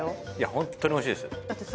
ホントにおいしいです。